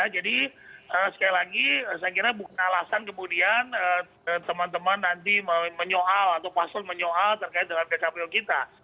jadi sekali lagi saya kira bukan alasan kemudian teman teman nanti menyoal atau pasal menyoal terkait dengan pkpu kita